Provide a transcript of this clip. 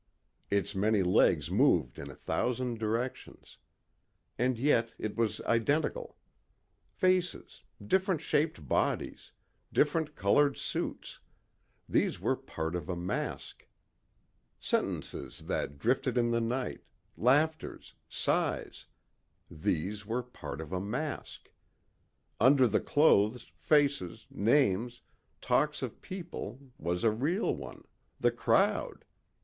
Its many legs moved in a thousand directions. And yet it was identical. Faces, different shaped bodies, different colored suits these were part of a mask. Sentences that drifted in the night, laughters, sighs these were part of a mask. Under the clothes, faces, names, talk of people, was a real one the crowd.